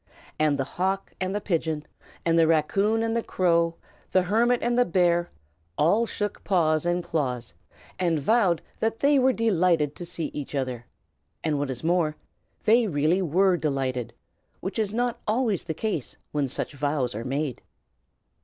And the hawk and the pigeon, the raccoon and the crow, the hermit and the bear, all shook paws and claws, and vowed that they were delighted to see each other; and what is more, they really were delighted, which is not always the case when such vows are made.